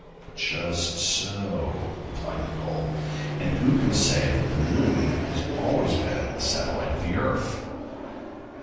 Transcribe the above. "Just so," replied Nicholl; "and who can say that the moon has always been a satellite of the earth?"